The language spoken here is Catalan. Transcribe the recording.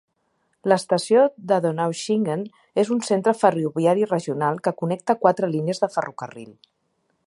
L'estació de Donaueschingen és un centre ferroviari regional que connecta quatre línies de ferrocarril.